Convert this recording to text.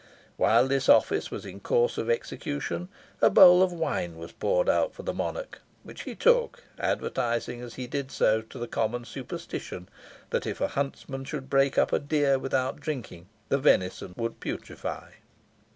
While this office was in course of execution a bowl of wine was poured out for the monarch, which he took, adverting, as he did so, to the common superstition, that if a huntsman should break up a deer without drinking, the venison would putrefy.